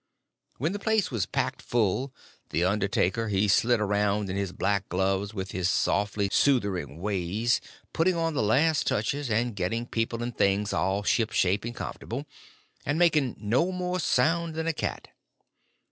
When the place was packed full the undertaker he slid around in his black gloves with his softy soothering ways, putting on the last touches, and getting people and things all ship shape and comfortable, and making no more sound than a cat.